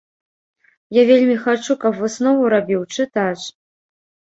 Я вельмі хачу, каб выснову рабіў чытач.